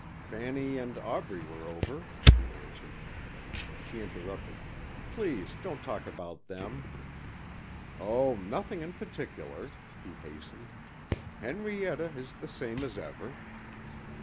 "Fanny and Aubrey were over," he answered. She interrupted. "Please don't talk about them." "Oh, nothing in particular," he hastened. "Henrietta is the same as ever."